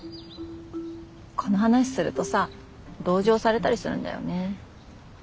この話するとさ同情されたりするんだよね。